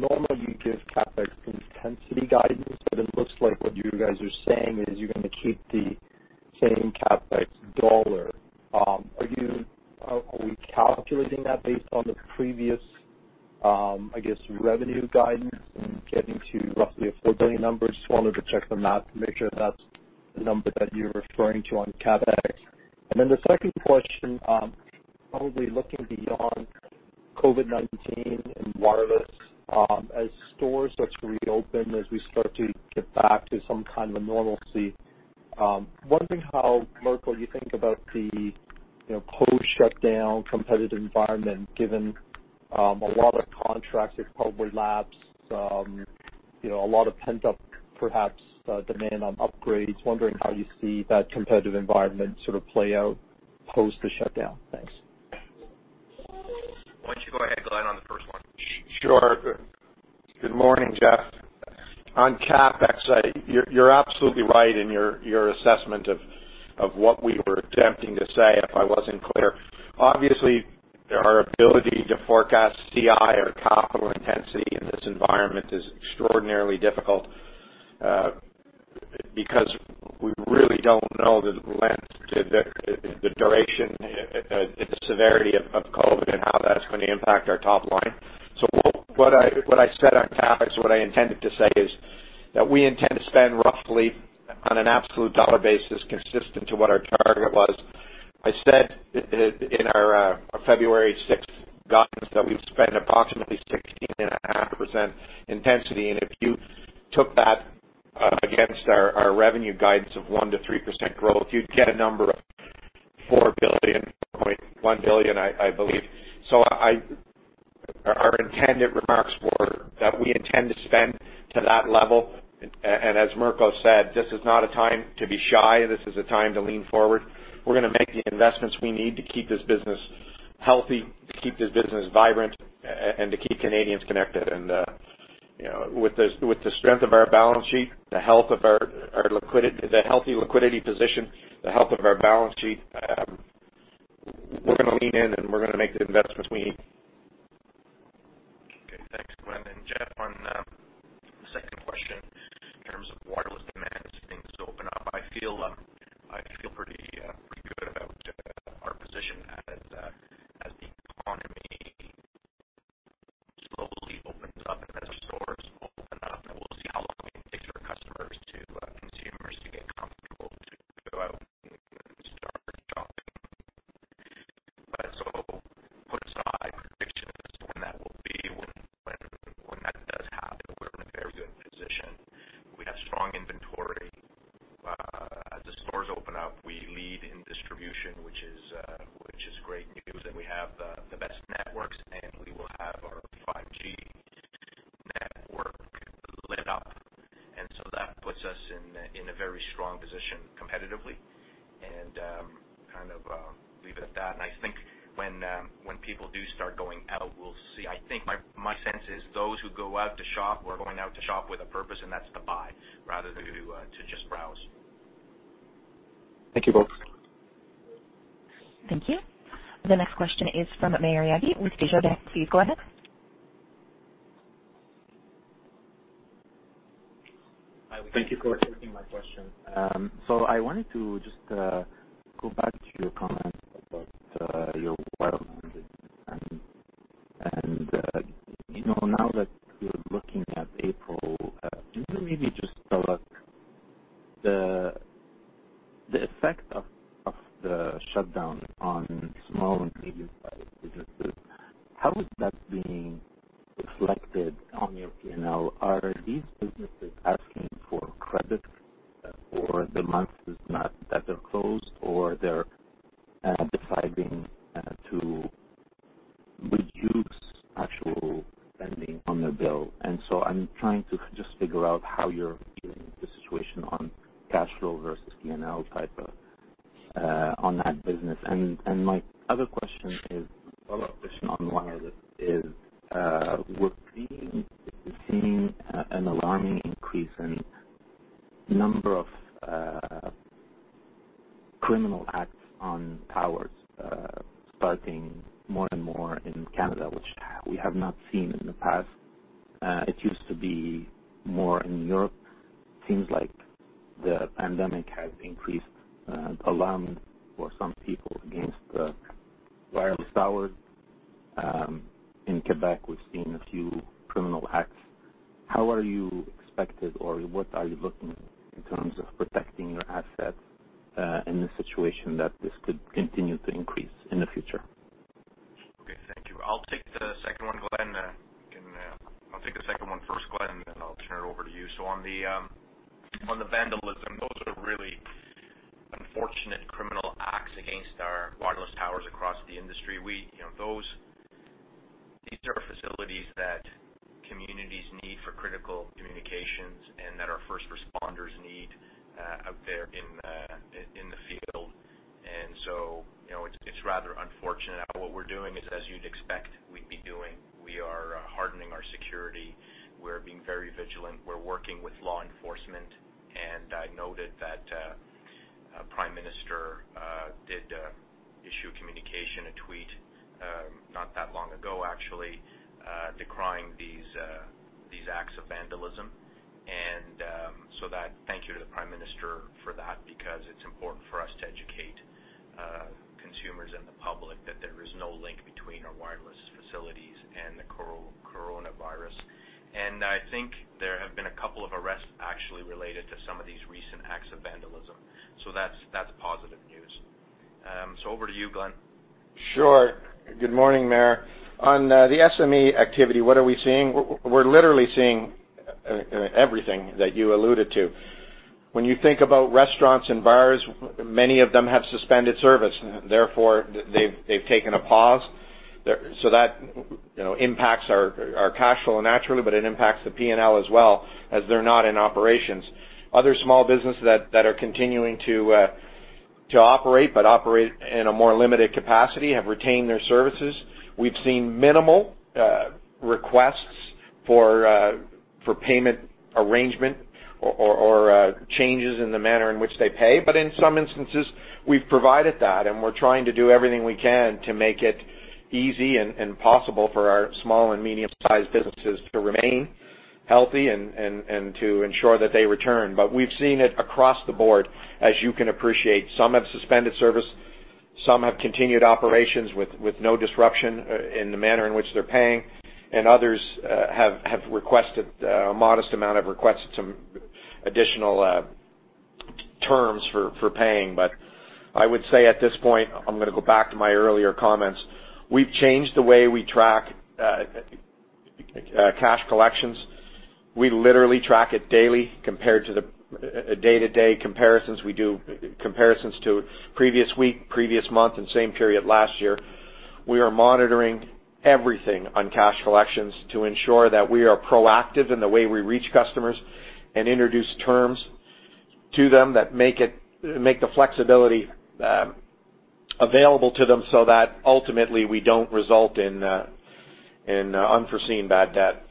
S10: normally you give CapEx intensity guidance, but it looks like what you guys are saying is you're going to keep the same CapEx dollar. Are we calculating that based on the previous, I guess, revenue guidance and getting to roughly a 4 billion number? Just wanted to check the math to make sure that's the number that you're referring to on CapEx. The second question, probably looking beyond COVID-19 and wireless, as stores start to reopen, as we start to get back to some kind of a normalcy, wondering how, Mirko, you think about the post-shutdown competitive environment given a lot of contracts that probably lapsed, a lot of pent-up, perhaps, demand on upgrades. Wondering how you see that competitive environment sort of play out post the shutdown. Thanks.
S3: Why don't you go ahead, Glen, on the first one?
S4: Sure. Good morning, Jeff. On CapEx, you're absolutely right in your assessment of what we were attempting to say if I wasn't clear. Obviously, our ability to forecast CI or capital intensity in this environment is extraordinarily difficult because we really don't know the duration and the severity of COVID and how that's going to impact our top line. What I said on CapEx, what I intended to say, is that we intend to spend roughly on an absolute dollar basis consistent to what our target was. I said in our February 6th guidance that we'd spend approximately 16.5% intensity. If you took that against our revenue guidance of 1-3% growth, you'd get a number of 4 billion-4.1 billion, I believe. Our intended remarks were that we intend to spend to that level. As Mirko said, this is not a time to be shy. This is a time to lean forward. We're going to make the investments we need to keep this business healthy, to keep this business vibrant, and to keep Canadians connected. With the strength of our balance sheet, the health of our liquidity position, the health of our balance sheet, we're going to lean in and we're going to make the investments we need.
S3: Okay. Thanks, Glen. Jeff, on the second question, in terms of wireless demand and things open up, I feel pretty good about our position first responders need out there in the field. It's rather unfortunate. What we're doing is, as you'd expect we'd be doing, we are hardening our security. We're being very vigilant. We're working with law enforcement. I noted that the Prime Minister did issue communication, a tweet, not that long ago, actually, decrying these acts of vandalism. Thank you to the Prime Minister for that because it's important for us to educate consumers and the public that there is no link between our wireless facilities and the coronavirus. I think there have been a couple of arrests actually related to some of these recent acts of vandalism. That's positive news. Over to you, Glen.
S4: Sure. Good morning, Maher. On the SME activity, what are we seeing? We're literally seeing everything that you alluded to. When you think about restaurants and bars, many of them have suspended service. Therefore, they've taken a pause. That impacts our cash flow naturally, but it impacts the P&L as well as they're not in operations. Other small businesses that are continuing to operate but operate in a more limited capacity have retained their services. We've seen minimal requests for payment arrangement or changes in the manner in which they pay. In some instances, we've provided that, and we're trying to do everything we can to make it easy and possible for our small and medium-sized businesses to remain healthy and to ensure that they return. We've seen it across the board, as you can appreciate. Some have suspended service. Some have continued operations with no disruption in the manner in which they're paying. Others have requested a modest amount of requests to additional terms for paying. I would say at this point, I'm going to go back to my earlier comments. We've changed the way we track cash collections. We literally track it daily compared to the day-to-day comparisons. We do comparisons to previous week, previous month, and same period last year. We are monitoring everything on cash collections to ensure that we are proactive in the way we reach customers and introduce terms to them that make the flexibility available to them so that ultimately we don't result in unforeseen bad debt.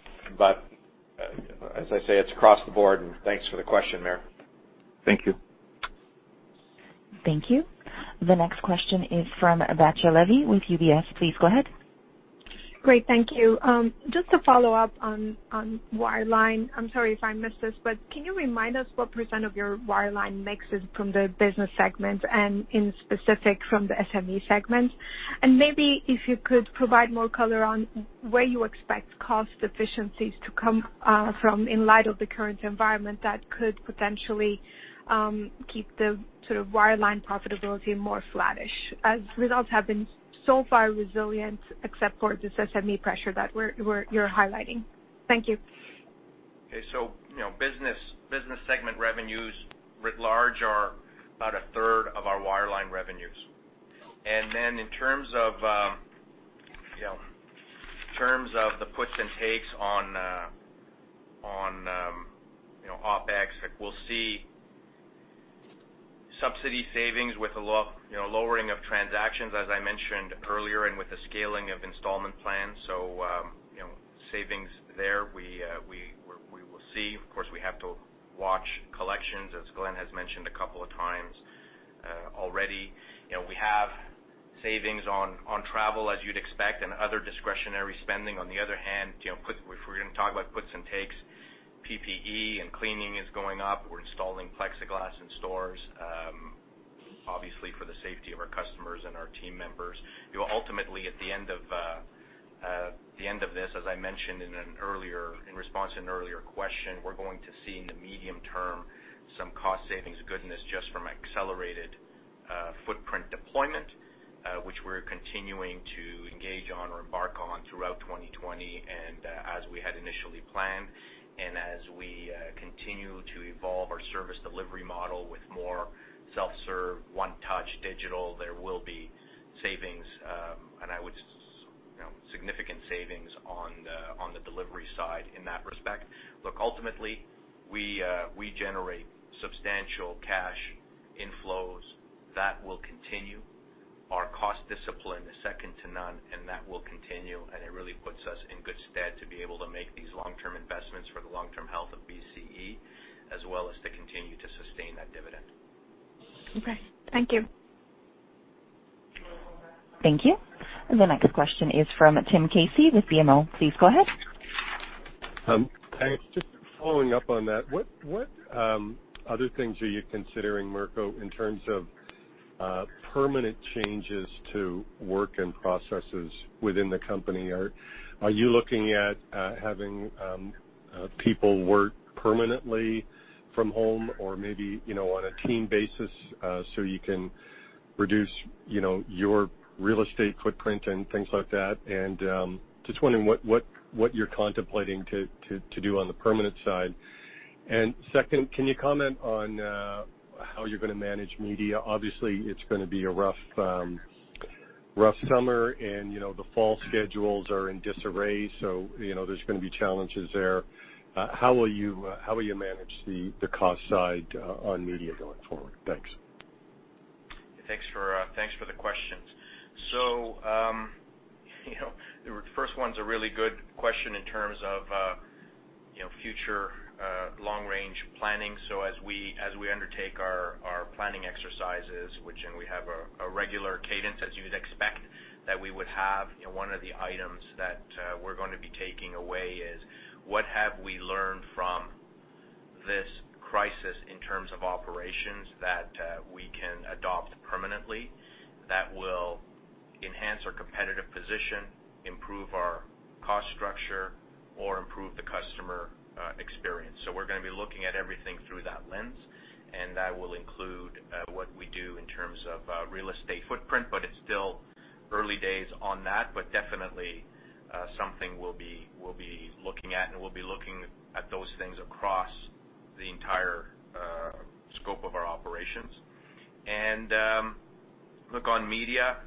S4: As I say, it's across the board. Thanks for the question, Maher. Thank you.
S1: Thank you. The next question is from Batya Levi with UBS. Please go ahead.
S11: Great. Thank you. Just to follow up on wireline, I'm sorry if I missed this, but can you remind us what % of your wireline mix is from the business segment and in specific from the SME segment? Maybe if you could provide more color on where you expect cost efficiencies to come from in light of the current environment that could potentially keep the sort of wireline profitability more flattish as results have been so far resilient except for this SME pressure that you're highlighting. Thank you.
S3: Okay. Business segment revenues writ large are about a third of our wireline revenues. In terms of the puts and takes on OpEx, we'll see subsidy savings with a lowering of transactions, as I mentioned earlier, and with the scaling of installment plans. Savings there, we will see. Of course, we have to watch collections, as Glen has mentioned a couple of times already. We have savings on travel, as you'd expect, and other discretionary spending. On the other hand, if we're going to talk about puts and takes, PPE and cleaning is going up. We're installing plexiglass in stores, obviously, for the safety of our customers and our team members. Ultimately, at the end of this, as I mentioned in response to an earlier question, we're going to see in the medium term some cost savings goodness just from accelerated footprint deployment, which we're continuing to engage on or embark on throughout 2020 and as we had initially planned. As we continue to evolve our service delivery model with more self-serve, one-touch, digital, there will be savings, and I would say significant savings on the delivery side in that respect. Look, ultimately, we generate substantial cash inflows that will continue. Our cost discipline is second to none, and that will continue. It really puts us in good stead to be able to make these long-term investments for the long-term health of BCE, as well as to continue to sustain that dividend.
S11: Okay. Thank you.
S3: Thank you. The next question is from Tim Casey with BMO. Please go ahead.
S12: Hi. Just following up on that, what other things are you considering, Mirko, in terms of permanent changes to work and processes within the company? Are you looking at having people work permanently from home or maybe on a team basis so you can reduce your real estate footprint and things like that? I am just wondering what you're contemplating to do on the permanent side. Second, can you comment on how you're going to manage media? Obviously, it's going to be a rough summer, and the fall schedules are in disarray. There are going to be challenges there. How will you manage the cost side on media going forward? Thanks.
S3: Thanks for the questions. The first one's a really good question in terms of future long-range planning. As we undertake our planning exercises, which we have a regular cadence, as you'd expect that we would have, one of the items that we're going to be taking away is what have we learned from this crisis in terms of operations that we can adopt permanently that will enhance our competitive position, improve our cost structure, or improve the customer experience. We're going to be looking at everything through that lens. That will include what we do in terms of real estate footprint, but it's still early days on that. Definitely, something we'll be looking at, and we'll be looking at those things across the entire scope of our operations. Look, on media,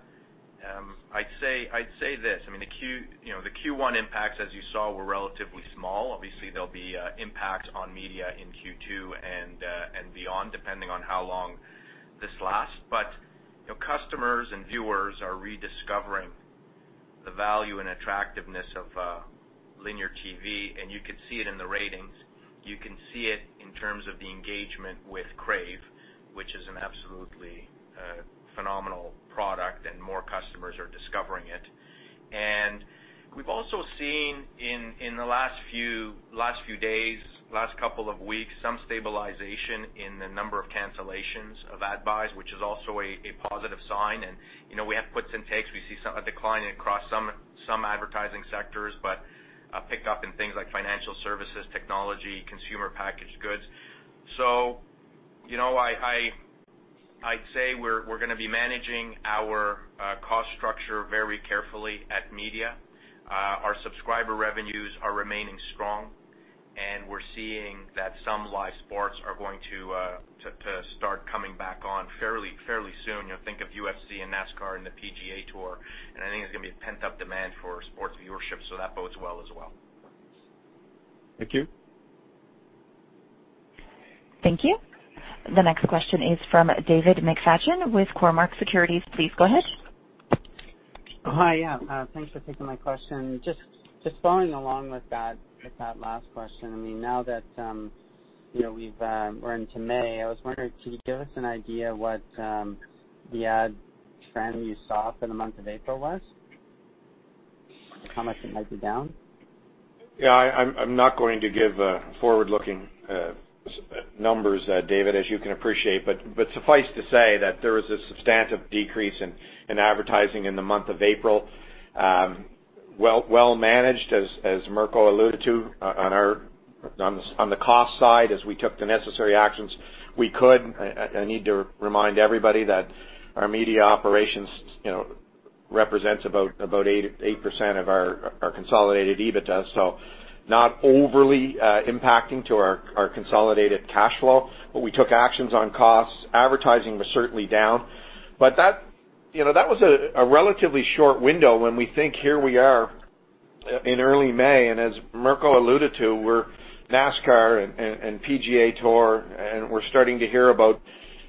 S3: I'd say this.I mean, the Q1 impacts, as you saw, were relatively small. Obviously, there will be impacts on media in Q2 and beyond, depending on how long this lasts. Customers and viewers are rediscovering the value and attractiveness of linear TV. You can see it in the ratings. You can see it in terms of the engagement with Crave, which is an absolutely phenomenal product, and more customers are discovering it. We have also seen in the last few days, last couple of weeks, some stabilization in the number of cancellations of ad buys, which is also a positive sign. We have puts and takes. We see some declining across some advertising sectors, but picked up in things like financial services, technology, consumer packaged goods. I would say we are going to be managing our cost structure very carefully at media.
S1: Our subscriber revenues are remaining strong, and we're seeing that some live sports are going to start coming back on fairly soon. Think of UFC and NASCAR and the PGA Tour. I think there's going to be a pent-up demand for sports viewership, so that bodes well as well.
S6: Thank you.
S3: Thank you. The next question is from David McFadgen with Cormark Securities. Please go ahead.
S13: Hi. Yeah. Thanks for taking my question. Just following along with that last question, I mean, now that we're into May, I was wondering, could you give us an idea of what the ad trend you saw for the month of April was? How much it might be down?
S4: Yeah. I'm not going to give forward-looking numbers, David, as you can appreciate. Suffice to say that there was a substantive decrease in advertising in the month of April, well-managed, as Mirko alluded to, on the cost side as we took the necessary actions we could. I need to remind everybody that our media operations represents about 8% of our consolidated EBITDA, so not overly impacting to our consolidated cash flow. We took actions on costs. Advertising was certainly down. That was a relatively short window when we think, "Here we are in early May." As Mirko alluded to, we're NASCAR and PGA Tour, and we're starting to hear about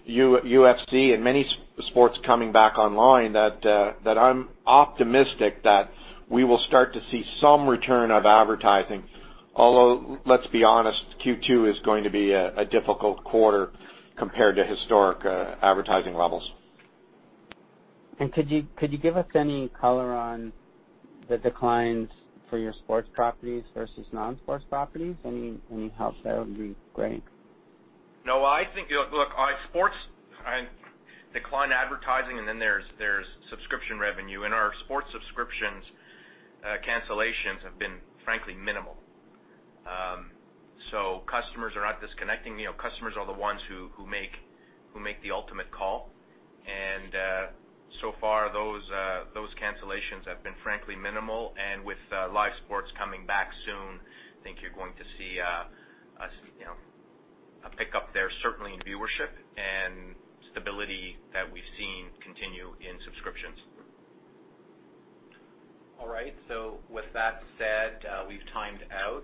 S4: UFC and many sports coming back online, that I'm optimistic that we will start to see some return of advertising. Although, let's be honest, Q2 is going to be a difficult quarter compared to historic advertising levels.
S13: Could you give us any color on the declines for your sports properties versus non-sports properties? Any help there would be great.
S4: No. Look, sports decline advertising, and then there's subscription revenue. Our sports subscriptions cancellations have been, frankly, minimal. Customers are not disconnecting. Customers are the ones who make the ultimate call. So far, those cancellations have been, frankly, minimal. With live sports coming back soon, I think you're going to see a pickup there, certainly in viewership and stability that we've seen continue in subscriptions.
S2: All right. With that said, we've timed out.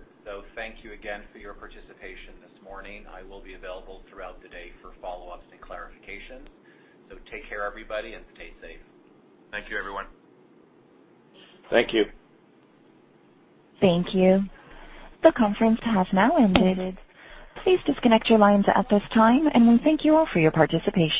S2: Thank you again for your participation this morning. I will be available throughout the day for follow-ups and clarifications. Take care, everybody, and stay safe.
S3: Thank you, everyone.
S4: Thank you.
S1: Thank you. The conference has now ended. Please disconnect your lines at this time, and we thank you all for your participation.